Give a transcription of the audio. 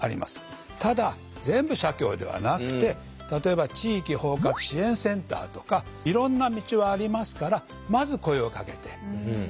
ただ全部社協ではなくて例えば地域包括支援センターとかいろんな道はありますからまず声をかけて頂きたいと。